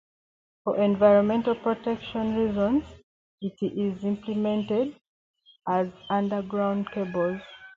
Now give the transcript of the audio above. For environmental protection reasons it is implemented as underground cables.